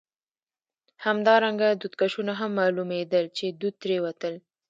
همدارنګه دودکشونه هم معلومېدل، چې دود ترې وتل.